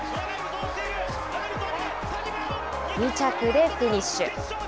２着でフィニッシュ。